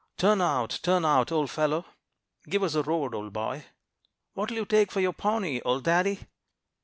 "'Turn out, turn out, old fellow!' 'Give us the road, old boy!' 'What'll you take for your pony, old daddy?'